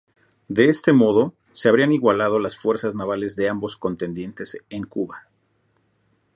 De este modo, se habrían igualado las fuerzas navales de ambos contendientes en Cuba.